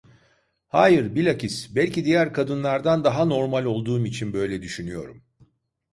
Hayır, bilakis, belki diğer kadınlardan daha normal olduğum için böyle düşünüyorum.